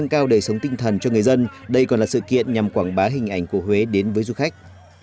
cùng cho người dân đây còn là sự kiện nhằm quảng bá hình ảnh của huế đến với du khách